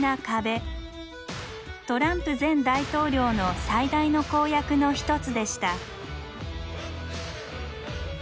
トランプ前大統領の最大の公約の一つでした。